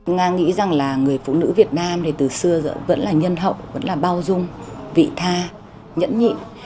nga nghĩ rằng là người phụ nữ việt nam thì từ xưa vẫn là nhân hậu vẫn là bao dung vị tha nhẫn nhị